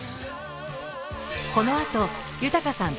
このあと豊さん